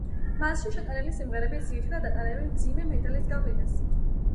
მასში შეტანილი სიმღერები ძირითადად ატარებენ მძიმე მეტალის გავლენას.